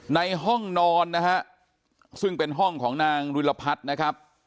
ในห้องนอนนะฮะซึ่งเป็นห้องของนางรุลพัฒน์นะครับ